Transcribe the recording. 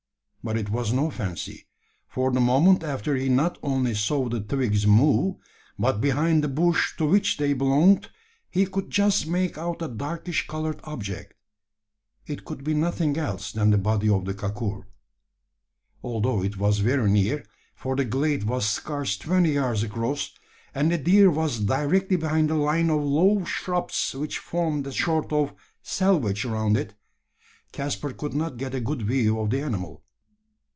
But it was no fancy: for the moment after he not only saw the twigs move, but behind the bush to which they belonged he could just make out a darkish coloured object. It could be nothing else than the body of the kakur. Although it was very near for the glade was scarce twenty yards across, and the deer was directly behind the line of low shrubs which formed a sort of selvedge around it Caspar could not get a good view of the animal.